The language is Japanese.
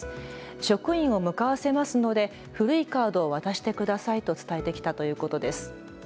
職員を向かわせますので古いカードを渡してくださいと伝えてきたということです。